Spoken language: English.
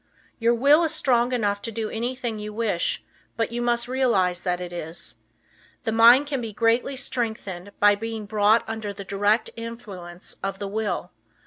Your will is strong enough to do anything you wish, but you must realize that it is. The mind can be greatly strengthened by being brought under the direct influence of the will.